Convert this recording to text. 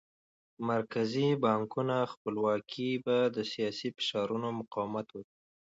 مرکزي بانکونو خپلواکي به د سیاسي فشارونو مقاومت وکړي.